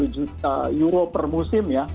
lima puluh juta euro per musim ya